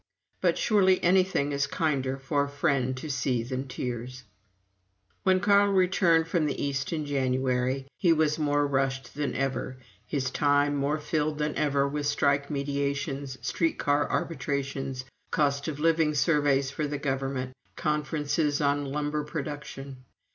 But surely anything is kinder for a friend to see than tears! When Carl returned from the East in January, he was more rushed than ever his time more filled than ever with strike mediations, street car arbitrations, cost of living surveys for the Government, conferences on lumber production.